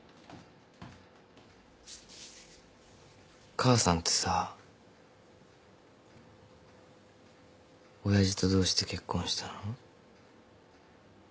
母さんってさ親父とどうして結婚したの？